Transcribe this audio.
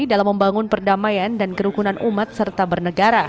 dalam membangun perdamaian dan kerukunan umat serta bernegara